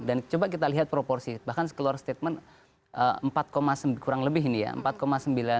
dan coba kita lihat proporsi bahkan keluar statement empat kurang lebih ini ya